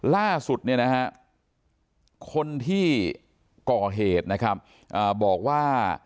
ล่าสุดคนที่ก่อเหตุบอกว่า